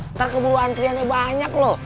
ntar keburu antriannya banyak loh